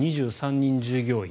２３人従業員。